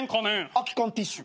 空き缶ティッシュ。